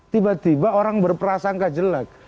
tiba tiba orang berprasangka jelek